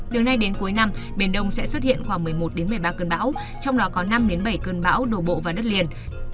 từ nay đến cuối năm biển đông sẽ xuất hiện khoảng một mươi một một mươi ba cơn bão trong đó có năm bảy cơn bão đổ bộ vào đất liền